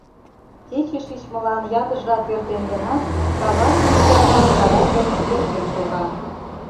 Кече шичмылан ятыр жап эртен гынат, кавасе ӱжара тарай гай чеверген шога.